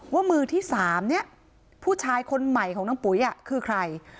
ว่ามือที่๓เนี่ยผู้ชายคนใหม่ของนางปุ๋ยคือใคร